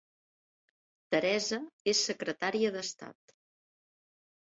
Teresa és secretària d'Estat